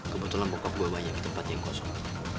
kebetulan bokap gue banyak di tempat yang kosong